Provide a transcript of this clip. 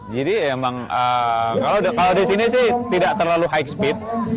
jadi emang kalau di sini sih tidak terlalu high speed